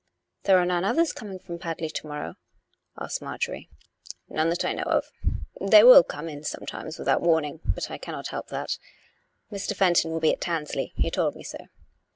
" There are none others coming to Padley to morrow? " asked Marjorie. " None that I know of. They will come in sometimes without warning; but I cannot help that. Mr. Fenton will be at Tansley: he told me so."